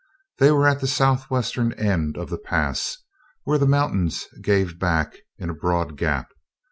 They were at the southwestern end of the pass, where the mountains gave back in a broad gap.